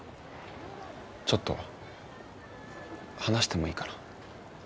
ちょっと話してもいいかな？